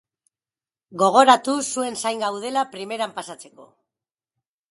Gogoratu zuen zain gaudela primeran pasatzeko.